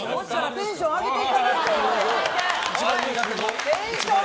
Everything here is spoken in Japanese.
テンション上げていかないと！